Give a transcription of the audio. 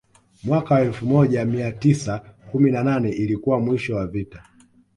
Mwaka wa elfu moja mia tisa kumi na nane ilikuwa mwisho wa vita